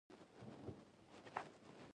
ګوسپلن د پلان جوړونې یو پیاوړی بنسټ و